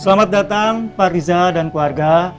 selamat datang pak riza dan keluarga